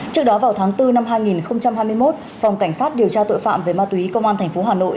trước đó vào tháng bốn năm hai nghìn hai mươi một phòng cảnh sát điều tra tội phạm về ma túy công an tp hà nội